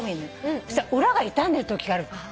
そしたら裏が傷んでるときがある。